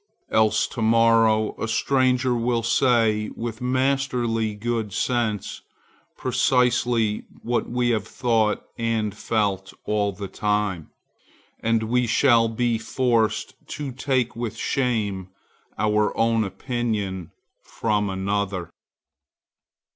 Else to morrow a stranger will say with masterly good sense precisely what we have thought and felt all the time, and we shall be forced to take with shame our own opinion from another.